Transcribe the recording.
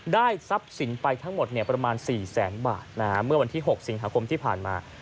ทรัพย์สินไปทั้งหมดประมาณ๔แสนบาทเมื่อวันที่๖สิงหาคมที่ผ่านมา